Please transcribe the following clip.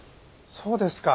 そうですか。